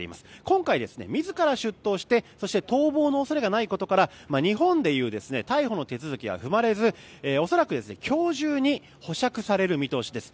今回、自ら出頭してそして逃亡の恐れがないことから日本でいう逮捕の手続きは踏まれず恐らく今日中に保釈される見通しです。